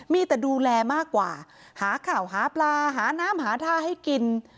มีแต่ดูแลมากกว่าหาข่าวหาปลาหาน้ำหาท่าให้กิน